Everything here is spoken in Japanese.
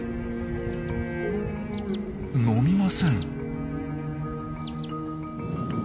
飲みません。